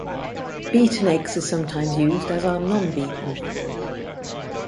Beaten eggs are sometimes used, as are non-beaten.